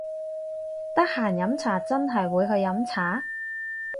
得閒飲茶真係會去飲茶！？